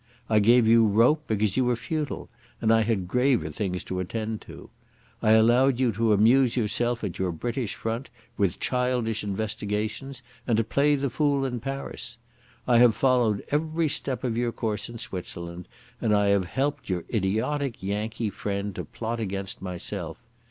I gave you rope, because you were futile, and I had graver things to attend to. I allowed you to amuse yourself at your British Front with childish investigations and to play the fool in Paris. I have followed every step of your course in Switzerland, and I have helped your idiotic Yankee friend to plot against myself.